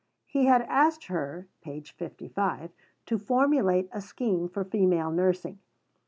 He had asked her (p. 55) to formulate a scheme for female nursing.